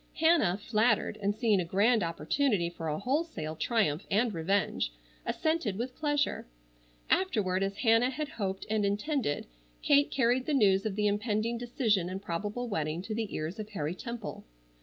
Hannah, flattered, and seeing a grand opportunity for a wholesale triumph and revenge, assented with pleasure. Afterward as Hannah had hoped and intended, Kate carried the news of the impending decision and probable wedding to the ears of Harry Temple.